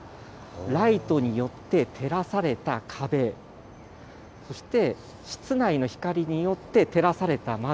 ライトによって照らされた壁、そして室内の光によって照らされた窓。